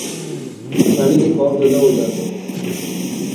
آسانی سے خوف زدہ ہو جاتا ہوں